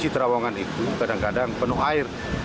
terowongan itu kadang kadang penuh air